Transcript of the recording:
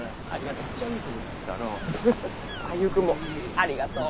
ありがとう。